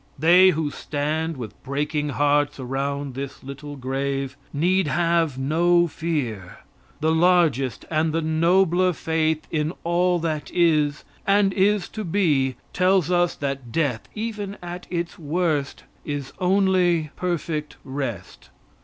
They who stand with breaking hearts around this little grave need have no fear. The largest and the nobler faith in all that is, and is to be, tells us that death, even at its worst, is only perfect rest.